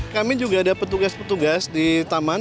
kami juga ada petugas petugas di taman